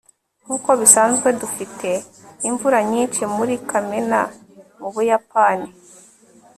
nkuko bisanzwe dufite imvura nyinshi muri kamena mubuyapani